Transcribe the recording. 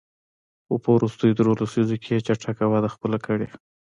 خو په وروستیو دریوو لسیزو کې یې چټکه وده خپله کړې.